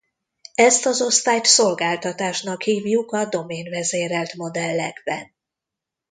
Ezt az osztályt szolgáltatásnak hívjuk a domain-vezérelt modellekben.